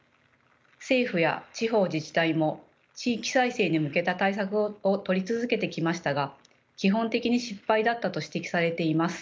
政府や地方自治体も地域再生に向けた対策を取り続けてきましたが基本的に失敗だったと指摘されています。